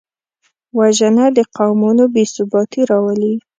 وژنه د قومونو بېثباتي راولي